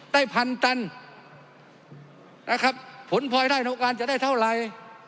ได้พันตันนะครับผลพลอยได้ของการจะได้เท่าไหร่